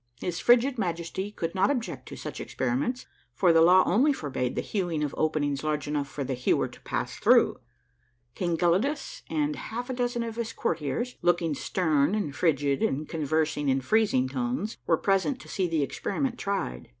His frigid Majesty could not object to such experiments, for tlie law only forbade the hewing of openings large enough for the hewer to pass through. King Gelidus and half a dozen of his courtiers, looking stern and frigid and conversing in freezing tones, were present to see the experiment tried.